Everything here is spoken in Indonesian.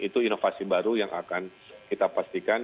itu inovasi baru yang akan kita pastikan